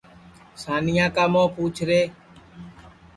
سانیا کُا پُوچھ رے